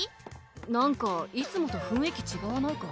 なんかいつもと雰囲気ちがわないか？